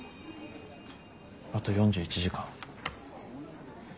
あと４１時間。